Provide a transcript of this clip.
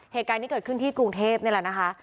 เหตุการณ์นี้เกิดขึ้นที่กรุงเทพนี่แหละนะคะ